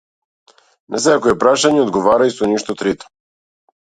На секое прашање одговарај со нешто трето.